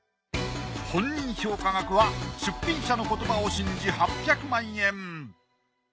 本人評価額は出品者の言葉を信じ８００万円。